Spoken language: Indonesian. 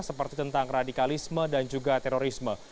seperti tentang radikalisme dan juga terorisme